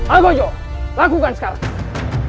algojo lakukan sekarang